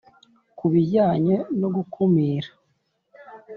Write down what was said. Ku bijyanye no gukumira